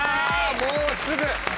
もうすぐ！